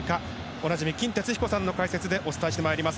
おなじみ、金哲彦さんの解説で、お伝えしてまいります。